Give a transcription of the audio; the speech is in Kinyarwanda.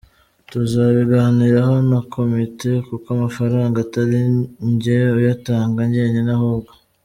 tuzabiganiraho na komite kuko amafaranga atari njye uyatanga njyenyine ahubwo